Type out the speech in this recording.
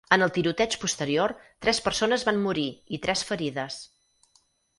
En el tiroteig posterior, tres persones van morir i tres ferides.